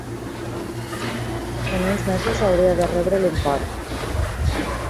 En uns mesos hauria de rebre l'import.